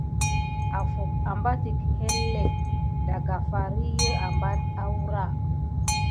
Afu abatik yelinke daka far ki apat aoura.